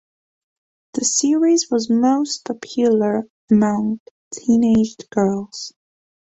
The series was most popular among teenaged girls.